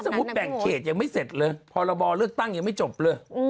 แบ่งเขตยังไม่เสร็จเลยพรบเลือกตั้งยังไม่จบเลย